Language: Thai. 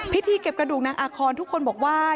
พิธีเก็บกระดูกนางอาคอนทุกคนบอกว่า